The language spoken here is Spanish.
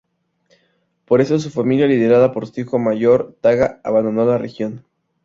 Por eso su familia, liderada por su hijo mayor Taga, abandonó la región.